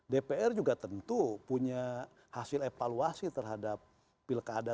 dpr juga tentu punya hasil evaluasi terhadap pilkada